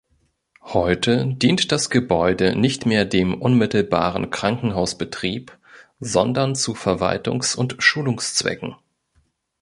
Heute dient das Gebäude nicht mehr dem unmittelbaren Krankenhausbetrieb, sondern zu Verwaltungs- und Schulungszwecken.